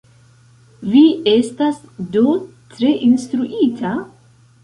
Vi estas do tre instruita?